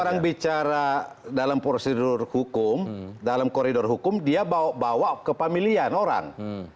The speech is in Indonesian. orang bicara dalam prosedur hukum dalam koridor hukum dia bawa kepamilian orang